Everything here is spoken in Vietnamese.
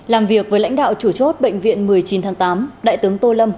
làm việc với lãnh đạo chủ chốt bệnh viện một mươi chín tháng tám đại tướng tô lâm